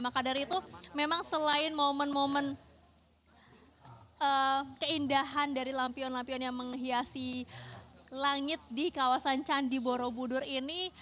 maka dari itu memang selain momen momen keindahan dari lampion lampion yang menghiasi langit di kawasan candi borobudur ini